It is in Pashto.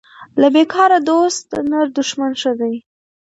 له بیکاره دوست نر دښمن ښه دی